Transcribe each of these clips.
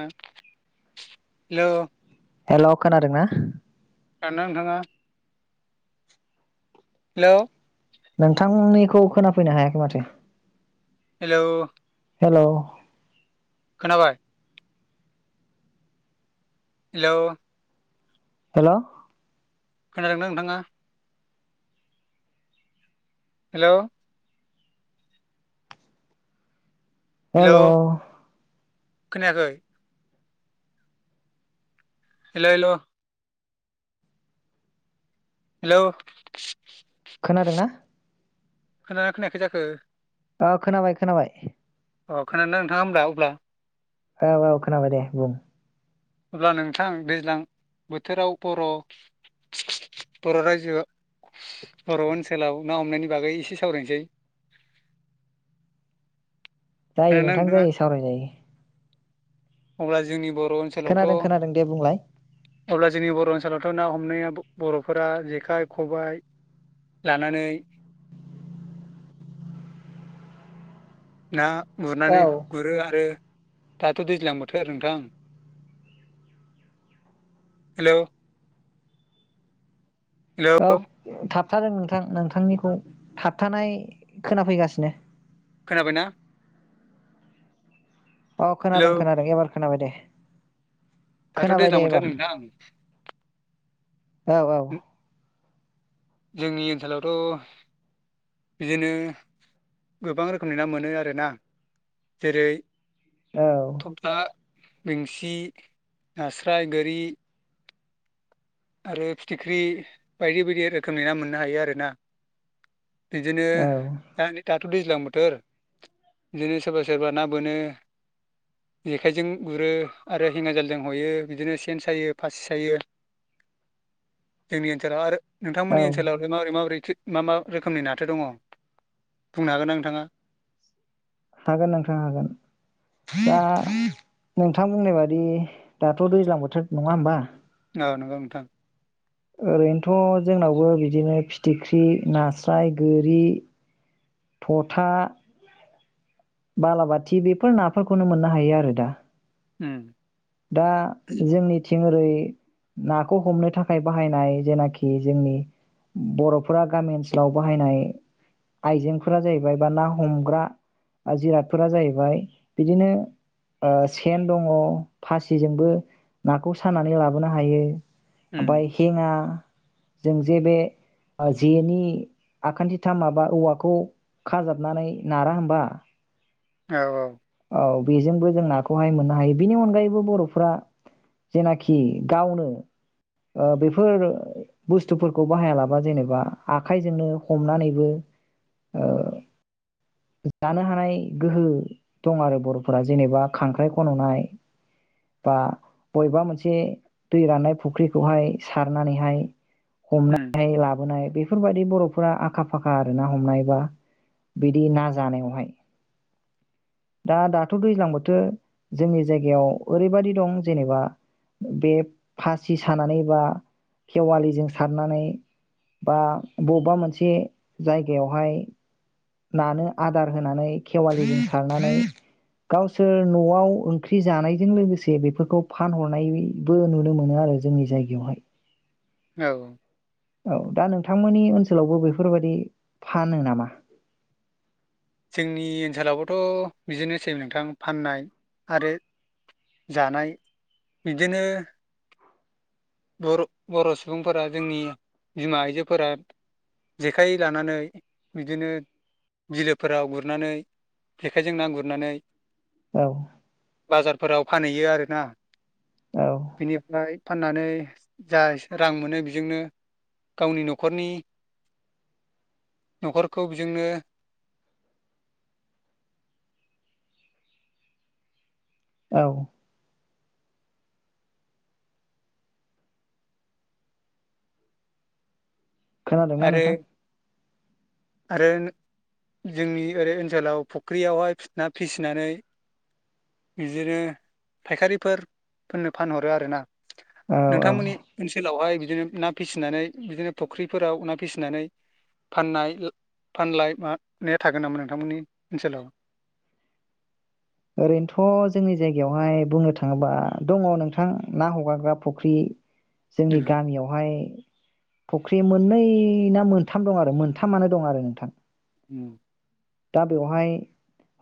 ङो hello. Hello खोनादोंना? खोनादों ना नोंथाङा? हेलौ। नोंथांनिखौ खोनाफैनो हायाखै माथो। हेलौ। हेलौ। खोनाबाय? हेलौ। हेलौ। खोनादोंना नोंथाङा? हेलौ। हेलौ। खोनायाखै? Hello hello. हेलौ। खोनादों ना? खोनागोना खोनायाखै जाखो? अ खोनाबाय खोनाबाय। अ खोनादों ना नोंथाङा होमब्ला अब्ला? औ औ खोनाबाय दे बुं। अब्ला नोंथां दैज्लां बोथोराव बर' बर' रायजो बर' ओनसोलाव ना हमनायनि बागै एसे सावरायनोसै। जायो खोनादोंना नोंथां नोंथाङा जायो सावराय जायो। अब्ला जोंनि ब खोनादों खोनादों दे बुंलाय। अब्ला जोंनि बर' ओनसोलावथ' ना हमनाया बर'फोरा जेखाइ खबाय लानानै [inaudible] ना औ गुरनानै गुरो आरो दाथ' दैज्लां बोथोर नोंथां [inaudible] हेलौ। औ हेलौ थाब थाबथादों नोंथां नोंथांनिखौ थाबथानाय खोनाफैगासिनो। खोनाबायना? औ हेलौ खोनादों खोनादों एबार खोनाबाय दे दाथ' खोनाबाय दैज्लां दे मोनथाय एबार नोंथां औ औ जोंनि ओनसोलावथ' बिदिनो गोबां रोखोमनि ना मोनो आरोना जेरै औ [unintelligible] बेंसि नास्राय गोरि आरो फिथिख्रि बायदि बायदि रोखोमनि ना मोननो हायो आरोना। बिदिनो औ [inaudible] दाथ' दैज्लां बोथोर बिदिनो सोरबा-सोरबा ना बोनो जेखाइजों गुरो आरो हिंगाजालजों हयो बिदिनो सेन सायो फासि सायो जोंनि ओनसोलाव आरो औ नोंथांमोननि ओनसोलावाहाय माबोरै माबोरै थो मा मा रोखोमनि नाथो दङ' बुंनो हागोनना नोंथाङा? हागोन नोंथां हागोन दा नोंथां बुंनाय बादि दाथ' दैज्लां बोथोर नङा होमबा? अ नंगौ नोंथां ओरैनोथ' जोंनावबो बिदिनो फिथिख्रि नास्राय गोरि थथा बालाबाथि बेफोर नाफोरखौनो मोननो हायो आरो दा। उम दा जोंनिथिं रै नाखौ हमनो थाखाय बाहायनाय जेनाखि जोंनि बर'फोरा गामि ओनसोलाव बाहायनाय आइजेंफोरा जाहैबाय बा ना हमग्रा जिरादफोरा जाहैबाय बिदिनो सेन दङ' फासिजोंबो नाखौ सानानै लाबोनो हायो। उम ओमफाय हेङा जों जे बे ओ जेनि आखान्थिथाम माबा औवाखौ खाजाबनानै नारा होमबा औ औ औ बेजोंबो जों नाखौहाय मोननो हायो बिनि अनगायैबो बर'फोरा जेनाखि गावनो ओ बेफोर बुस्थुफोरखौ बाहायालाबा जेनेबा आखाइजोंनो हमनानैबो ओ जानो हानाय गोहो दं आरो बर'फोरा जेनेबा खांख्राइ खन'नाय बा बबेबा मोनसे दै राननाय फुख्रिखौहाय सारनानैहाय उम हमनाय लाबोनाय बेफोरबाय दि बर'फोरा आखा फाखा आरो ना हमनायबा बि दि ना जानायावहाय। दा दाथ' दैज्लां बोथोर जोंनि जायगायाव ओरैबायदि दं जेनेबा बे फासि सानानै बा खेवालिजों सारनानै बा बबेबा मोनसे जायगायावहाय नानो आदार होनानै खेवालिजों सारनानै गावसोर न'आव ओंख्रि जानायजों लोगोसे बेफोरखौ फानहरनायबो नुनो मोनो आरो जोंनि जायगायावहाय। औ औ दा नोंथांमोननि ओनसोलावबो बेफोरबायदि फानो नामा? जोंनि ओनसोलावबोथ' बिदिनो सेै नोंथां फाननाय आरो जानाय बिदिनो बर' बर' सुबुंफोरा जोंनि बिमा आइजोफोरा जेखाइ लानानै बिदिनो बिलोफोराव गुरनानै जेखाइजों ना गुरनानै औ बाजारफोराव फानहैयो आरोना औ बेनिफ्राय फाननानै जा एसे रां मोनो बेजोंनो गावनि नखरनि न'खरखौ बेजोंनो [inaudible] औ खोनादोंना आरो नोंथां आरो जोंनि ओरै ओनसोलाव फुख्रियावहाय ना फिसिनानै बिदिनो फायखारिफोर फोरनो फानहरो आरोना। औ औ नोंथांमोननि ओनसोलावहाय बिदिनो ना फिसिनानै बिदिनो फुख्रि फोराव ना फिसिनानै फाननाय ला -फानलाय मा ने थागोन नामा नोंथांमोननि ओनसोलाव? ओरैनोथ' जोंनि जायगायावहाय बुंनो थाङोबा दङ नोंथां ना हगारग्रा फुख्रि जोंनि गामियावहाय फख्रि मोन नै ना मोनथाम दं आरो मोनथामानो दं आरो नोंथां। उम दा बेवहाय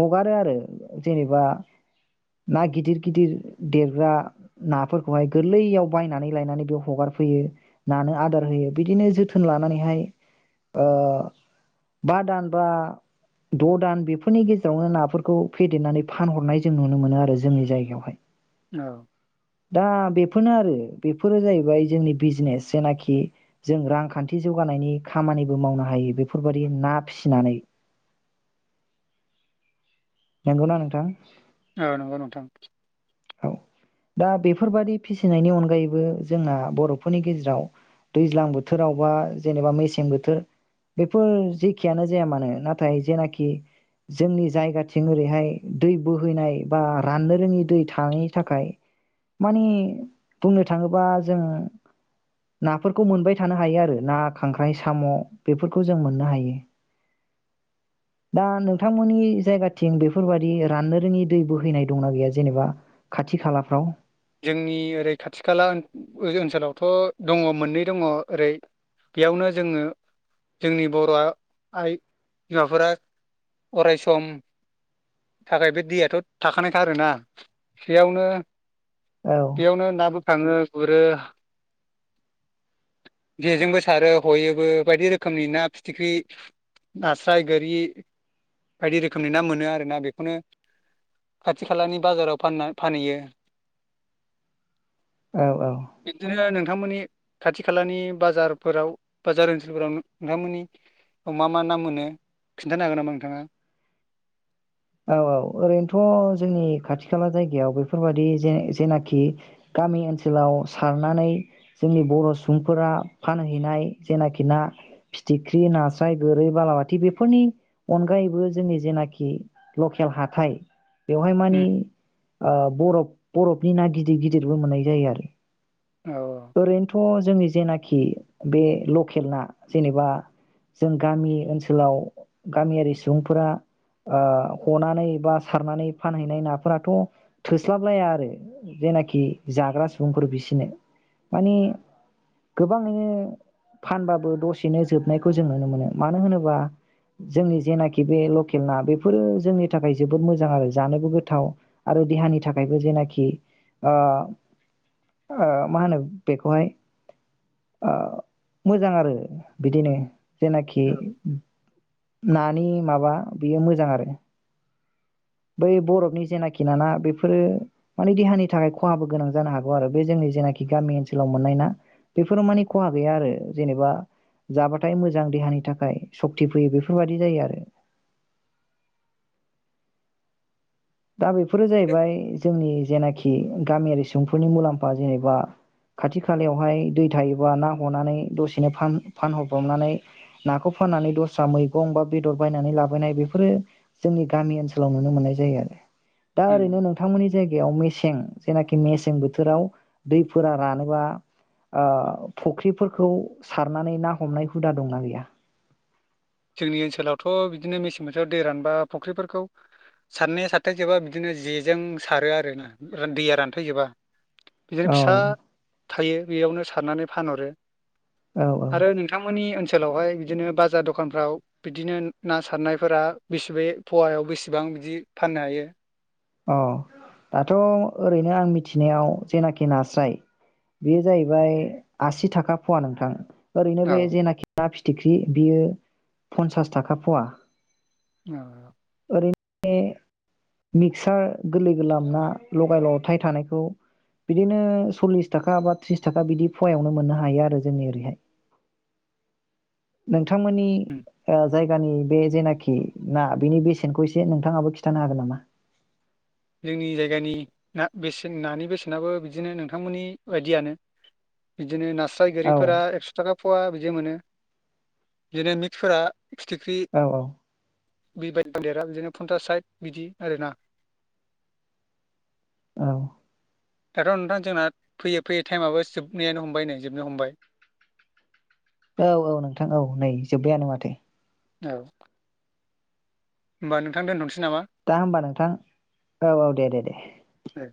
हगारो आरो जेनेबा ना गिदिर -गिदिर देरग्रा नाफोरखौहाय गोरलैयाव बायनानै लायनानै बेयाव हगारफैयो, नानो आदार होयो बिदिनो जोथोन लानानैहाय ओ बा दान बा द' दान बेफोरनि गेजेरावनो नाफोरखौ फेदेरनानै फानहरनाय जों नुनो मोनो आरो जोंनि जायगायावहाय। औ दा बे [unintelligible] आरो बेफोरो जाहैबाय जोंनि बिजनेस जेनाखि जों रांखान्थि जौगानायनि खामानिबो मावनो हायो बेफोरबादि ना फिसिनानै। नंगौना नोंथां। औ नंगौ नोंथां। औ दा बेफोरबादि फिसिनायनि अनगायैबो जोंना बर'फोरनि गेजेराव दैज्लां बोथोराव बा जेनेबा मेसें बोथोर बेफोर जेखियानो जाया मानो, नाथाय जेनाखि जोंनि जायगाथिं ओरैहाय दै बोहैनाय बा राननो रोङि दै थाङि थाखाय मानि बुंनो थाङोबा जों नाफोरखौ मोनबाय थानो हायो आरो ना, खांख्राइ, साम' बेफोरखौ जों मोननो हायो। दा नोंथांमोननि जायगाथिं बेफोरबादि राननो रोङि दै बोहैनाय दंना गैया? जेनेबा खाथि खालाफ्राव जोंनि ओरै खाथि- खाला ओन -ओ- ओनसोलावथ' दङ मोननै दङ ओरै बेयावनो जोङो जोंनि बर' आइ बिमाफोरा अराय सम थाखाय बे दैयाथ' थाखानायखा आरोना बेयावनो औ बेयावनो नाबो [unintelligible] गुरो, जे जोंबो सारो हयोबो बायदि रोखोमनि ना फिथिग्रि नास्राय, गोरि बायदि रोखोमनि ना मोनो आरो ना, बेखौनो खाथि- खालानि बाजाराव फाना -फानोहैयो। औ औ बिबदिनो [unintelligible] नोंथांमोननि खाथि -खालानि बाजारफोराव बाजार ओनसोलफोराव नो-नोंथांमोननि मा मा ना मोनो खिन्थानो हागोन नामा नोंथांङा? औ, औ ओरैनोथ' जोंनि खाथि -खाला जायगायाव बेफोरबादि जे-जेनाखि गामि ओनसोलाव सारनानै जोंनि बर' सुबुंफोरा फानहैनाय जेनाखि ना फिथिग्रि, नास्राय, गोरै बालाबाथि बेफोरनि अनगायैबो जोंनि जेनाखि लकेल हाथाय बेवहाय मानि उम आ बरफ -बरफनि ना गिदिर गिदिरबो मोननाय जायो आरो औ औ। थ' जोंनि जेनाखि बे लकेल ना जेनेबा जों गामि ओनसोलाव गामियारि सुबुंफोरा ओ हनानै बा सारनानै फानहैनाय नाफोराथ' थोस्लाबलाया आरो, जेनाखि जाग्रा सुबुंफोर बिसोनो मानि गोबाङैनो फानबाबो दसेनो जोबनायखौ जों नुनो मोनो मानो होनोबा जोंनि जेनाखि बे लकेल ना बेफोरो जोंनि थाखाय जोबोद मोजां आरो जानोबो गोथाव आरो देहानि थाखायबो जेनाखि ओ -ओ मा होनो बेखौहाय ओ मोजां आरो बिदिनो जेनाखि औ नानि माबा बेयो मोजां आरो बै बरफनि जेनाखि ना ना बेफोरो माने देहानि थाखाय खहाबो गोनां जानो हागौ आरो बे जोंनि जेनाखि गामि ओनसोलाव मोननाय ना बेफोराव मानि खहा गैया आरो जेनेबा जाबाथाय मोजां देहानि थाखाय सक्ति फैयो बेफोरबादि जायो आरो दा बेफोरो जाहैबाय जोंनि जेनाखि गामियारि सुबुंफोरनि मुलाम्फा जेनेबा खाथि- खालायावहाय दै थायोबा ना हनानै दसेनो फान-फानहरब्रनानै नाखौ फाननानै दस्रा मैगं बा बेदर बायनानै लाबोनाय बेफोरो जोंनि गामि ओनसोलाव नुनो मोननाय जायो आरो दा उम ओरैनो नोंथांमोननि जायगायाव मेसें जेनाखि मेसें बोथोराव दैफोरा रानोबा ओ फुख्रिफोरखौ सारनानै ना हमनाय हुदा दंना गैया? जोंनि ओनसोलावथ' बिदिनो मेसें बोथोराव दै रानबा फुख्रिफोरखौ सारनाया सारथायजोबा बिदिनो जेजों सारो आर ना रा दैया रानथायजोबा। बिदिनो औ फिसा थायो बेयावनो सारनानै फानहरो औ आरो नोंथांमोननि ओनसोल सोलावहाय बिदिनो बाजार द दखानफ्राव बिदिनो ना-ना सारनायफोरा बेसेब पवायाव बेसेबां बिदि फाननो हायो? अ दाथ ओरैनो आं मिथिनायाव जेनाखि नास्राय बेयो जाहैबाय आसि थाखा फवा नोंथां। ओरैनो औ बे जेनाखि फि फिथिख्रि बियो पनसास थाखा फुवा औ नो [unintelligible] मिक्सार गोरलै गोरलाम ना लगाय लथाय थानायखौ बिदिनो सल्लिस थाखा बा थ्रिस थाखा बिदि फवायावनो मोननो हायो आरो जोंनि ओरैहाय बिथांमोननि उम ओ जायगानि बे जेनाखि ना बेनि बेसेनखौ एसे नोंथाङाबो खिथानो हागोन नामा? जोंनि जायगानि ना बेसेन नानि बेसेनाबो बिदिनो नोंथांमोननि बायदियानो बिदिनो नास स्राय औ गोरिफोरा एक्स' थाखा फवा बिदिआव मोनो बिनो मिक्सफोरा [unintelligible] औ - औ बेबायायदि देरा बिदिनो फन्टास साइद बिदि आरोना औ दाथ' नोंथां जोंना फैयै फैयै टाइमाबो जोबनायानो हमबाय नै जोबनो हमबाय औ-औ नोंथां औ नै जोब्बायानो माथो औ होनबा नोंथां दोनथ'सै दा होनबा नोंथां औ औ दे-दे-दे दे।